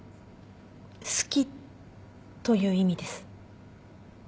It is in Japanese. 好きという意味です。